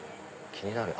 気になる。